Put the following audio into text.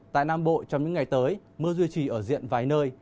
tại nam bộ trong những ngày tới mưa duy trì ở diện vài nơi